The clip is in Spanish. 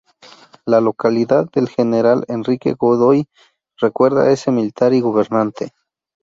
La localidad de General Enrique Godoy recuerda a este militar y gobernante.